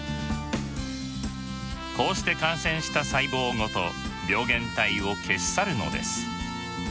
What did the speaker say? こうして感染した細胞ごと病原体を消し去るのです。